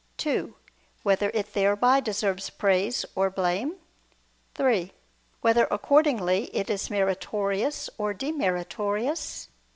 (2) Whether it thereby deserves praise or blame? (3) Whether accordingly, it is meritorious or demeritorious?